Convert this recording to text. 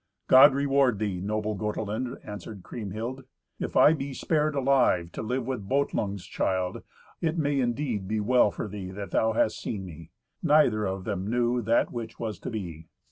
"God reward thee, noble Gotelind," answered Kriemhild. "If I be spared alive to live with Botlung's child, it may indeed be well for thee that thou hast seen me." Neither of them knew that which was to be.